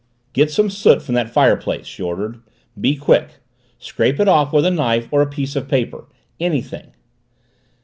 "Get some soot from that fireplace," she ordered. "Be quick. Scrape it off with a knife or a piece of paper. Anything."